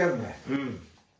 うん。